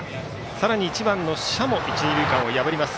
さらに１番の謝も一、二塁間を破ります。